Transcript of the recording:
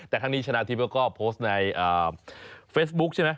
แต่ครั้งนี้ชนะทิพย์ก็โพสต์ในเฟซบุ๊คใช่ไหม